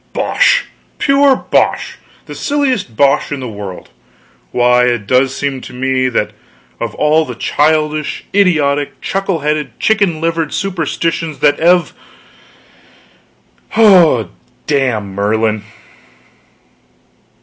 Bosh, pure bosh, the silliest bosh in the world! Why, it does seem to me that of all the childish, idiotic, chuckle headed, chicken livered superstitions that ev oh, damn Merlin!"